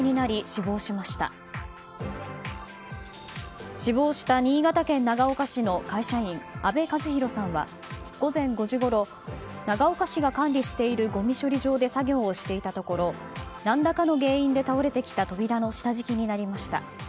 死亡した新潟県長岡市の会社員阿部和紘さんは午前５時ごろ長岡市が管理しているごみ処理場で作業をしていたところ何らかの扉で倒れてきた扉の下敷きになりました。